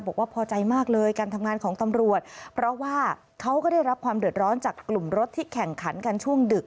บอกว่าพอใจมากเลยการทำงานของตำรวจเพราะว่าเขาก็ได้รับความเดือดร้อนจากกลุ่มรถที่แข่งขันกันช่วงดึก